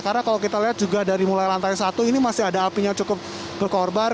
karena kalau kita lihat juga dari mulai lantai satu ini masih ada api yang cukup berkorbar